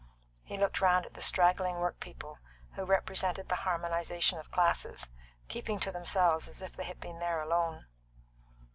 He looked round at the straggling workpeople, who represented the harmonisation of classes, keeping to themselves as if they had been there alone.